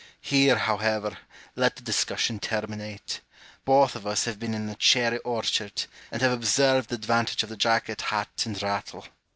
Here, however, let the discussion terminate. Both of us have been in a cherry orcliard, and have observed the advantage of the jacket, hat, and rattle. Home.